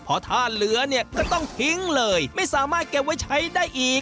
เพราะถ้าเหลือเนี่ยก็ต้องทิ้งเลยไม่สามารถเก็บไว้ใช้ได้อีก